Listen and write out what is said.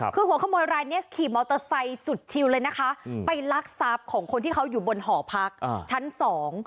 คือหัวขโมยรายเนี้ยขี่มอเตอร์ไซค์สุดชิวเลยนะคะอืมไปลักทรัพย์ของคนที่เขาอยู่บนหอพักอ่าชั้นสอง